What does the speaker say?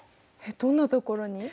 どんなところに？